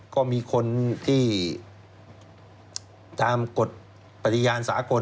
ก็มีคนที่ตามกฎปฏิญาณสากล